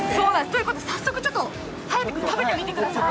ということで早速、颯君、食べてみてください。